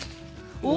お！